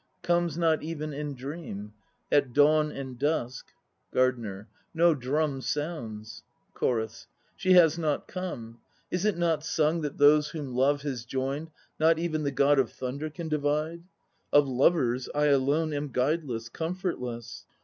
Comes not even in dream. At dawn and dusk GARDENER. No drum sounds. CHORUS. She has not come. Is it not sung that those Whom love has joined Not even the God of Thunder can divide? Of lovers, I alone Am guideless, comfortless.